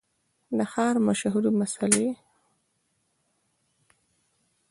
د ښار مشهورې مسلۍ